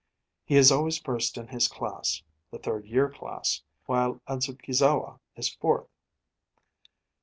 He is always first in his class the third year class while Adzukizawa is fourth.